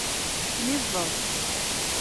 Miẓẓed.